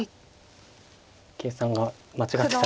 計算が間違ってたら。